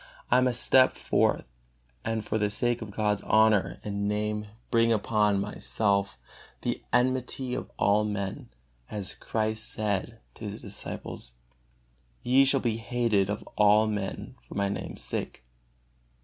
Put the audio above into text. I must step forth and for the sake of God's honor and Name bring upon myself the enmity of all men, as Christ said to His disciples: "Ye shall be hated of all men for My Name's sake."